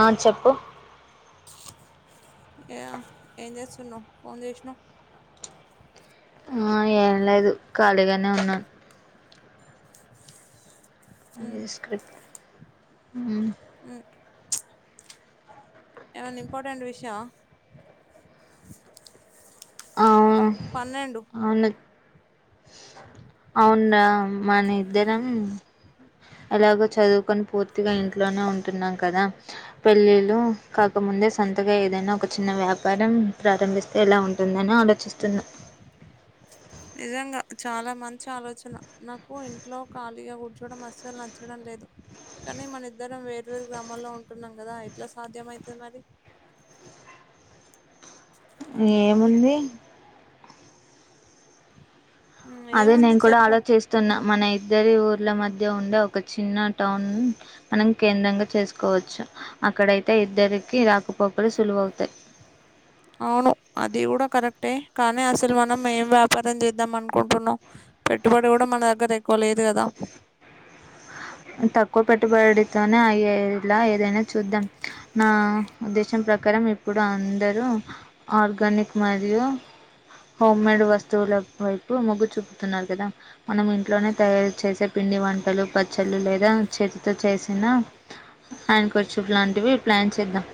ఆ చెప్పు ఇగ ఏం చేస్తున్నావ్ ఫోన్ చేసినవు ఆ ఏం లేదు ఖాళీగానే ఉన్నాను ఉమ్, ఈ స్క్రిప్ ఊ ఉ ప్చ్ ఏమన్నా ఇంపార్టెంట్ విషయమా అవును అవును అవున మన ఇద్దరం ఎలాగో చదువుకొని పూర్తిగా ఇంట్లోనే ఉంటున్నాం కదా పెళ్ళిళ్లు కాకముం దే సొంతగా ఏదైనా ఒక చిన్న వ్యాపారం ప్రారంభిస్తే ఎలా ఉంటుందని ఆలోచిస్తున్నా నిజంగా చాలా మంచి ఆలోచన నాకు ఇంట్లో ఖాళీగా కూర్చోడం అసలు నచ్చడం లేదు కానీ మన ఇద్దరం వేర్వేరు గ్రామాల్లో ఉంటున్నాం కదా ఎట్లా సాధ్యమయితది మరి ఏముంది ఉమ్, అదే ఏముంది నేను కూడా చెప్పు ఆలోచిస్తున్నా మన ఇ ఇద్దరి ఊర్ల మధ్య ఉండే ఒక చిన్న టౌన్ మనం కేంద్రంగా చేసుకోవచ్చు అక్కడయితే ఇద్దరికి రాకపోకలు సులువవుతాయి అవును అది కూడా కరెక్టే కానీ అసలు మనం ఏం వ్యాపారం చే ద్దాం అనుకుంటున్నవ్ పెట్టుబడి కూడా మన దగ్గర ఎక్కువ లేదు కదా తక్కువ పెట్టుబడితోనే అయ్యేలా ఏదైనా చూద్దాం నా ఉద్దేశం ప్రకారం ఇప్పుడు అందరూ ఆర్గానిక్ మరియు హోమ్ మేడ్ వస్తువుల వైపు మొగ్గు చూపుతున్నారు కదా మనం ఇంట్లోనే తయారు చేసే పిం నీ వంటలు పద్ చల్లు లేదా చేతితో చేసిన హ్యాండ్ కర్చీఫ్ లాంటివి ప్లాన్ చేద్దాం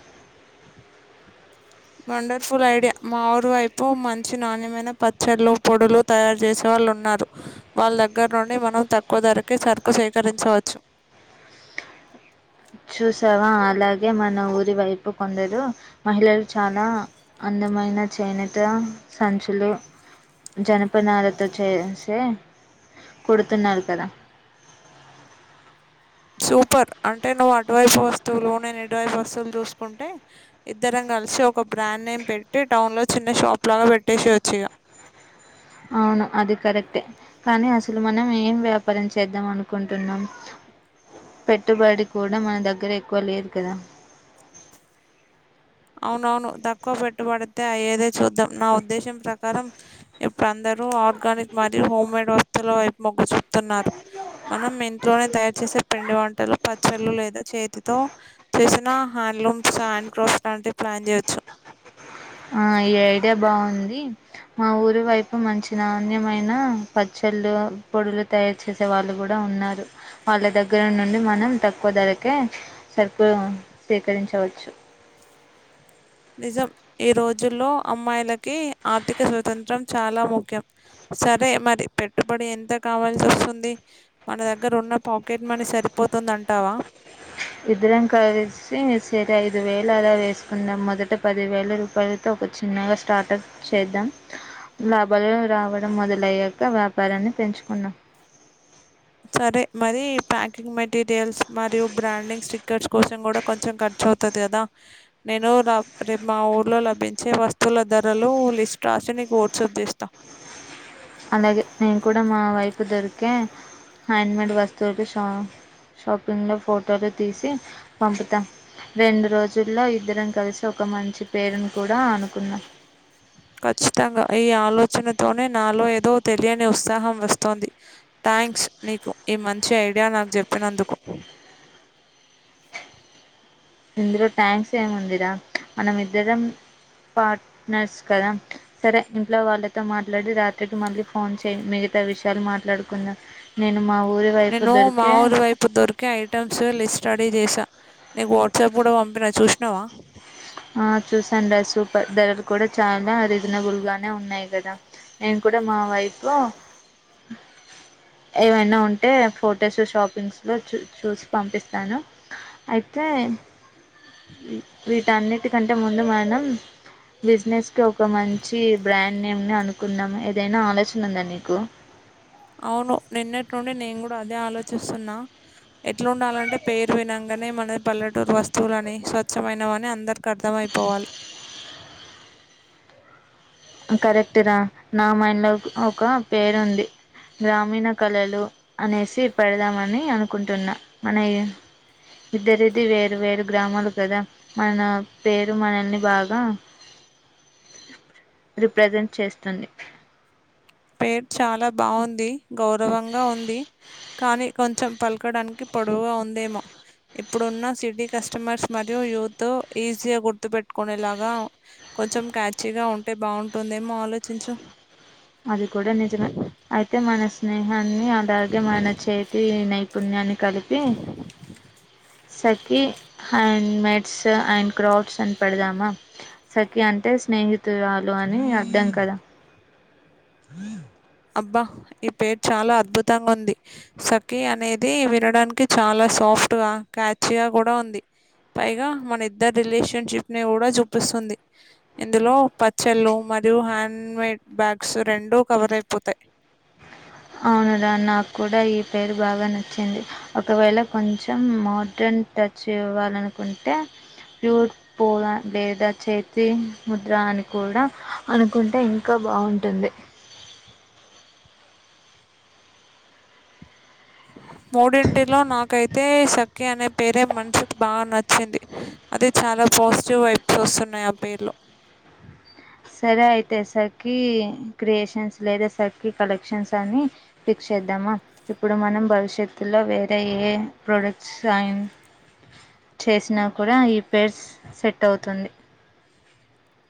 వండర్ఫుల్ ఐడియా మా ఊరు వైపు మంచి నాణ్యమైన పచ్చళ్ళు పొడులు తయారు చేసే వాళ్ళు ఉం వాళ్ళ దగ్గర నుండి మనం తక్కువ ధరకే సరుకు సేకరించవచ్చు చూసావా అలాగే మన ఊరి వైపు కొందరు మహిళలు చాలా అన్ అందమైన చేనేత సంచులు జనపనాలతో చేసే కుడుతున్నారు కదా సూపర్ అంటే నువ్వు అటువైపు వస్తువులు నేను ఇటువైపు వస్తువులు చూసుకుంటే ఇద్దరం కలిసి ఒక బ్రాండ్ నేమ్ పెట్టి టౌన్ లో చిన్న షాప్ లాగా పెట్టేసి వచ్చి ఇగ అవును అది కరెక్టే కానీ అసలు మనం ఏం వ్యాపారం చేద్దాం అనుకుంటున్నాం పెట్టుబడి కూడా మన దగ్గర ఎక్కువ లేదు కదా అవునవును తక్కువ పెట్టుబడితే అయ్యేదే చూద్దాం నా ఉద్దేశం ప్రకారం ఇప్పుడు అంద అందరూ ఆర్గానిక్ మరి హోమ్ మేడ్ వస్తువుల వైపు మొగ్గు చూపుతున్నారు మనం ఇంట్లోనే తయారు చేసి పిండి వంటలు పచ్చళ్ళు లేదా చేతితో చేసిన హ్యాండ్లూమ్స్ హండ్ కఫ్ అలాంటివి ప్లాన్ చేయచ్చు ఆ ఈ ఐడియా బాగుంది మా ఊరు వైపు మంచి నాణ్యమైన పచ్చ చల్లు పొడులు తయారు చేసే వాళ్ళు కూడా ఉన్నారు వాళ్ళ దగ్గర నుండి మనం తక్కువ ధరకి కే సరుకులు సేకరించవచ్చు నిజం ఈ రోజుల్లో అమ్మాయిలకి ఆర్థిక స్వతంత్రం చాలా ముఖ్యం సరే మరి పెట్టుబడి ఎంత కావాల్సి వస్తుంది మన దగ్గర ఉన్న పాకెట్ మనీ సరిపోతు పోతుంద అంటావా ఇద్దరం కలిసి చెరో ఐదు వేలు అలా వేసుకుందాం మొదట పది వేల రూపాయలతో చిన్నగా స్టార్టప్ చేద్దాం లాభాలు రావడం మొదలయ్యాక వ్యాపారాన్ని పెంచుకున్నాం సరే మరి ప్యాకింగ్ మెటీరియల్స్ మరియు బ్రాండింగ్ స్టిక్కర్స్ కోసం కూడా కొంచెం ఖ ఖర్చవుతది కదా నేను నా రేపు మా ఊర్లో లభించే వస్తువుల ధరలు లిస్ట్ రా సి నీకు వోట్సాప్ చేస్తా అలాగే నేను కూడా మా వైపు దొరికే హ్యాండ్మేడ్ వస్తువులు షా షాపింగ్ లో ఫొటోలు తీసి పంపుతా రెండు రోజుల్లో ఇద్దరం కలిసి ఒక మంచి పేరును కూడా అనుకున్నాం ఖచ్చితంగా ఈ ఆలోచనతోనే నాలో ఏదో తెలియని ఉత్సాహం వస్తోంది థ్యాంక్స్ నీకు ఈ మంచి ఐడియా నాకు చెప్పినందుకు ఇందులో థ్యాంక్స్ ఏముందిరా మనం ఇద్దరం పార్ట్నర్స్ కదా సరే ఇంట్లో వాళ్ళతో మాట్లాడి రాత్రికి మళ్ళీ ఫోన్ చెయ్ మీ మిగతా విషయాలు మాట్లాడుకుందాం నేను మా ఊరి వైపు నేను మా దొరికే ఊరి వైపు దొరికే ఐటమ్స్ లిస్ట్ రెడీ చేసా నీకు వాట్సాప్ కూడా పంపినా చూసినావ ఆ చూసానురా సూపర్ ధరలు కూడా చాలా రీజనబుల్ గానే ఉన్నాయి కదా నేను కూడా మా వైపులో ఏవైనా ఉంటే ఫొటోస్ షాపింగ్స్ లో చూ చూసి పంపిస్తాను అయి తే వీటి అన్నిటికంటే ముందు మనం బిజినెస్ కి ఒక మంచి బ్రాండ్ నేమ్ ని అనుకుందాం ఏదైనా ఆలోచన ఉందా నీకు అవును నిన్నటి నుండి నేను కూడా అదే ఆలోచిస్తున్నా ఎట్లా ఉండాలంటే పేరు వినంగా వెంటనే మనది పల్లెటూరు వస్తువులని స్వచ్ఛమైనవని అందరికీ అర్థమైపోవాలి కరెక్ట్ రా నా మైండ్ లో ఒక పేరు ఉంది. గ్రామీణ కళలు అనేసి పెడదామని అనుకుంటున్నా మన ఇ ఇద్దరిది వేరు వేరు గ్రామాలు కదా మన పేరు మనల్ని బాగా రిప్రెజెంట్ చేస్తుంది. పేరు చాలా బాగుంది గౌరవంగా ఉంది కానీ కొంచెం పలకడానికి పొడువుగా ఉందేమో ఇప్పుడున్న సిటీ కస్టమర్స్ మరియు యూత్ ఈజీ గా గుర్తు పెట్ కొనే లాగా కొంచెం క్యాచీగా ఉంటే బాగుంటుందేమో ఆలోచించు. అది కూడా నిజమే అయితే మన స్నేహ న్ని అలాగే మన చేతి నైపుణ్యాన్ని కలిపి సఖీ హ్యాండ్ మేడ్స్ అండ్ క్రౌడ్స్ అని పెడదామా సఖీ అంటే స్నేహితురాలు అని అర్థం కదా! హ అబ్బా ఈ పేరు చాలా అద్భుతంగా ఉంది సఖీ అనేది వినడానికి చాలా సా ఫ్ట్ గా క్యాచీ గా కూడా ఉంది. పైగా మన ఇద్దరి రిలేషన్షిప్ ని కూడా చూపిస్తుంది ఇందులో పచ్చళ్ళు మ మరియు హ్యాండ్ మేడ్ బ్యాగ్స్ రెండూ కవర్ అయిపోతాయి. అవునురా నాక్కూడా ఇ పేరు బాగా నచ్చింది ఒకవేళ కొంచెం మోడ్రన్ టచ్ ఇవ్వాలనుకుంటే ప్యూర్ [unintelligible] లేదా చేతి ముద్ర అని కూడా అనుకుంటే ఇంకా బావుంటుంది. మూడింటిలో నాకై తే సఖి అనే పేరే మనిషికి బాగా నచ్చింది అది చాలా పాజిటివ్ వైబ్స్ వస్తున్నాయి. న్నాయి ఆ పేర్లో సరే అయితే సఖి క్రియేషన్స్ లేదా సఖి కలెక్షన్స్ అని ఫిక్స్ చే చేద్దామా ఇప్పుడు మనం భవిష్యత్తులో వేరే ఏ ప్రొడక్ట్స్ అయ్ చేసినా కూడా ఈ పేరు సెట్ అవుతుంది.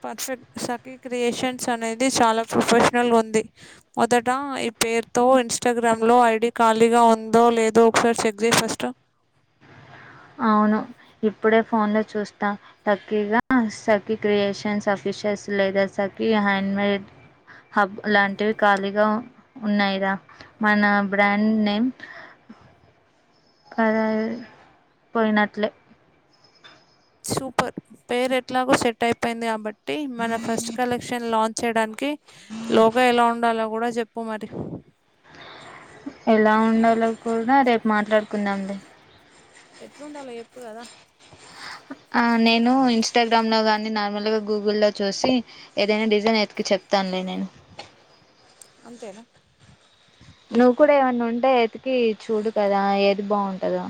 పర్ఫెక్ట్ సఖి క్రియేషన్స్ అనేది చాలా ప్రొఫెషనల్ గుంది మొదట ఇప్ పేరుతో ఇన్స్టాగ్రామ్ లో ఐడీ ఖాళీగా ఉందో లేదో ఒకసారి చెక్ చేసేస్తే అవును ఇప్పుడే ఫోన్ లో చూస్తా లక్కీగా సఖి క్రియేషన్స్ అఫీ విషెస్ లేదా సఖి హ్యాండ్ మేడ్ హబ్ లాంటివి ఖాళీగా ఉన్నాయి రా మన బ్రాండ్ నేమ్ కదా పోయినట్లే సూపర్ పేరు ఎట్లాగో సెట్ అయిపోయింది కాబట్టి మన ఫస్ట్ కలెక్షన్ లాం చ్ చేయడానికి లోగో ఎలా ఉండాలో గూడా చెప్పు మరి ఎలా ఉండాలో కూడా రేపు మాట్లాడుకుందాం లే ఎట్లుండాలో చెప్పు గదా ఆ నేను ఇన్స్టాగ్రామ్ లో గానీ నార్మల్గా గూగుల్ లో చూసి ఏదైనా డిజైన్ ఎతికి చెప్తాను లే నేను అంతేనా నువ్వు కూడా ఏమన్నా ఉంటే వెతికి చూడు కదా ఏది బావుంటదో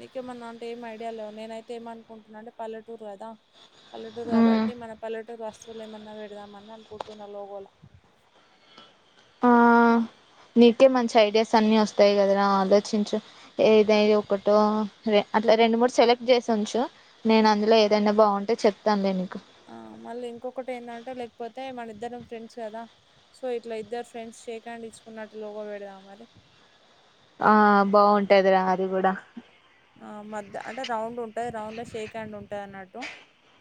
నీకేమన్నా అంటే ఏం ఐడియా లేవు నేనైతే ఏమనుకుంటున్నా అంటే పల్లెటూరు కదా పల్లెటూరు హ్మ్ కాబట్టి మన పల్లెటూరు వస్ లేమన్నా పెడదాం అనీ అనుకుంటున్నా లోబోలా ఆ నీకే మంచి ఐడియాస్ అన్ని వస్తాయి కదరా ఆలోచించు ఏదై ఒకటో అట్లా రెండు మూడు సెలెక్ట్ చేసి ఉంచు నేను అందులో ఏదైనా బాగుంటే చెప్తానులే నీకు ఆ మళ్ళీ ఇంకొకటి ఏందంటే లేకపోతే మన ఇద్దరం ఫ్రెండ్స్ కదా సో ఇట్లా ఇద్దరు ఫ్రెండ్స్ షేక్ హ్యాండ్ ఇచ్చుకున్నట్టు లోగా పెడదాం మరి ఆ బాగుంటాదిరా అది కూడా ఆ మధ్య అంటే రౌండ్ అంటే రౌండ్ లో షేక్ హ్యాండ్ ఉంటా అన్నట్టు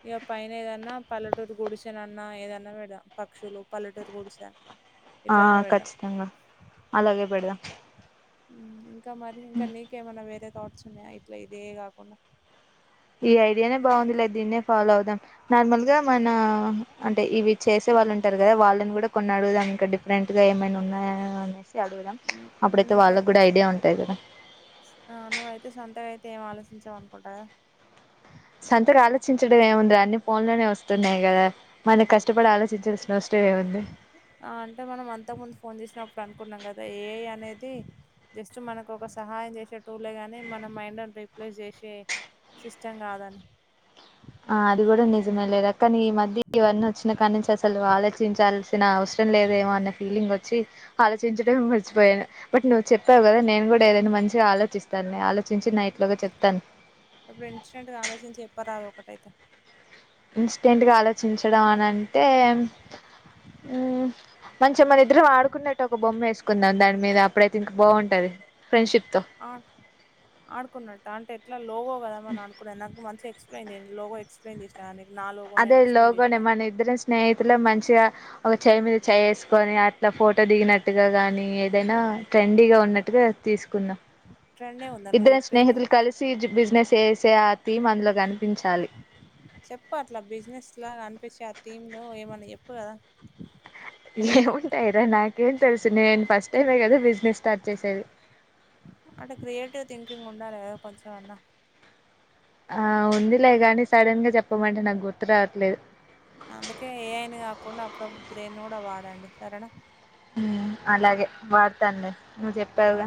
ఇక పైన ఏదన్నా పల్లెటూరు గుడిసెనన్నా ఏదన్నా పెడదాం పక్షులు పల్లెటూరు కుడిసా ఆ ఖచ్చితంగా అలాగే పెడదాం ఇంకా మరి ఇంకా నీకేమన్నా వేరే థాట్స్ ఉన్నాయా ఇట్లా ఇదే కాకుండా ఈ ఐడియానే బాగుంది లే దీన్నే ఫాలో అవుదాం నార్మల్ గా మన అంటే ఇవి చేసే వాళ్ళు ఉంటారు కదా వాళ్ళని కూడా కొన్ని అడుగుదాంక డిఫరెంట్ గా ఏమనా ఉన్నాయని అనే అడుగుదాం ఉమ్, అప్పుడైతే నీకై వాళ్ళకి కూడా ఐడియా ఉంటాయి కదా అతే ఏం ఆలోచించామనుకుంటా సంతక ఆలోచించడం ఏముంది అన్ని ఫోన్ లోనే వస్తున్నాయి కదా మనకి కష్టపడి ఆలోచించ ఆ అంటే మనం అంతకు ముందు ఫోన్ చేసినప్పుడు అనుకున్నాం కదా ఏ అనేది జస్ట్ మనకు ఒక సహాయం చేసేటూలే గాని మన మైండ్ రిప్లేస్ చేసే సిష్టం కాదని ఆ అది కూడా నిజమే లేదు కానీ ఈ మధ్య ఇవన్నీ వచ్చినా కా నుంచి అసలు ఆలోచించాల్సిన అవసరం లేదేమో అన్న ఫీలింగ్ వచ్చి ఆలోచించడం మచిపోయాను బట్ నువ్వు చెప్పావు కదా నేను కూడా ఏదైనా మ మంచిగా ఆలోచిస్తా న ఆలో ఇప్పుడు ఇన్స్డెంట్గా ఆలోచించి చెప్పరాదు ఒకటైతే ఇన్స్టెంట్ గా ఆలోచించడం అని అంటే మంచి చ మన ఇద్దరం ఆడుకున్నట్టు ఒక బొమ్మ వేసుకుందాం దాని మీద అప్పుడైతే ఇంకా బాగుంటది ఫ్రెండ్షిప్ తో ఆ ఆడుకున్నట్టటు అంటే ఎట్లా లోగో కదామని ఆడుకున్నా నాకు మంచిగా ఎక్స్ప్లెయిన్ చెయ్ లోగో ఎక్స్ప్లెయిన్ చేసిన గాని నీకు నా లోగో అదే నేను ఎక్స్ప్లెయిన్ లోగోనే చేసినా మన ఇద్దరం స్నేహితులం మంచిగా ఒక చెయ్యి మీద చెయ్యి వేసుకొని అట్లా ఫోటో దిగినట్టుగా గాని ఏదైనా ట్రెండీ గా ఉన్నట్టుగా దా తీసుకున్నా ట్రెండే ఉందా నువ్వు ఇద్దరి చెప్పింది స్నేహితులు కలిసి బిజినెస్ ఏసే ఆతి మందలో చెప్ప అట్లా బిజినెస్ లాగా అనిపించ ఆ థీమ్ ను ఏమన్నా చెప్పు కదా ఏ ఉంటాయిరా నాకేం తెలుసు నేను ఫస్ట్ టైమే కదా బిజినెస్ స్టార్ట్ చేసేది అంటే క్రియేటివ్ థింకింగ్ ఉండాలి కదా కొంచెం అన్నా ఆ ఉందిలే గానీ సడన్ గా చెప్పమంటే నాకు గుర్తు రావట్లేదు బ బ్రెయిన్ కూడా వాడండి సరేనా ఉ అలాగే వాడతాలే ఆ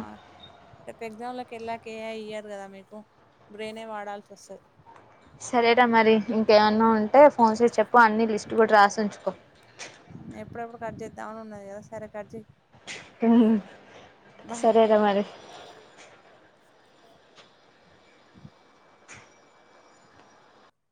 రేపు ఎగ్జామ్ లోకి వెళ్ళాక కే ఇయ్యారు కదా మీకు బ్రెనే వాడాల్సి వస్తది సరేట మరి ఇంకేమైన్నా ఉంటే ఫోన్ చేసి చెప్పు అన్ని లిస్ట్ కూడా రాసి ఉంచుకో ఎప్పుడెప్పుడు కట్ చేద్దామని ఉన్నాది కదా సరే కట్ చెయ్ ఉ బాయ్ సరే రా మరి